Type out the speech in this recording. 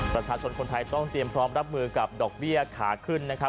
ประชาชนคนไทยต้องเตรียมพร้อมรับมือกับดอกเบี้ยขาขึ้นนะครับ